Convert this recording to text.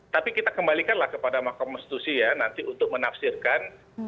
tapi kita kembalikanlah kepada mahkamah konstitusi ya nanti untuk menafsirkan